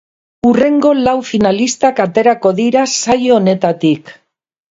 Hurrengo lau finalistak aterako dira saio honetatik.